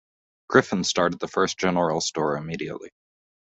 Griffin started the first general store immediately.